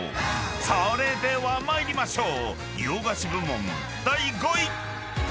［それでは参りましょう］